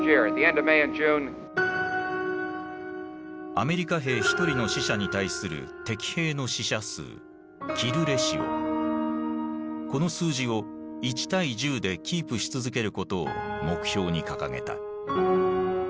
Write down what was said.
アメリカ兵１人の死者に対する敵兵の死者数この数字を１：１０でキープし続けることを目標に掲げた。